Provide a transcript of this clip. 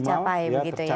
tercapai begitu ya